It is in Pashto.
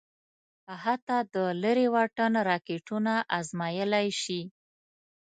حتی د لېرې واټن راکېټونه ازمايلای شي.